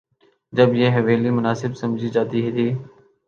جب یہ حویلی مناسب سمجھی جاتی تھی۔